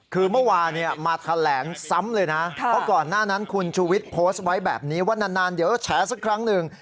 คือเมื่อวานมาแถลงซ้ำเลยนะเพราะก่อนหน้านั้นคุณชูวิทย์โพสต์ไว้แบบนี้ว่านานเดี๋ยวแฉสักครั้งหนึ่ง